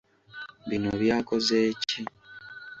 Bino byakoze ki?